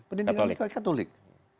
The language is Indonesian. pendidikan kita katolik